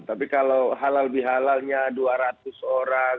tapi kalau halal bihalalnya dua ratus orang tiga ratus orang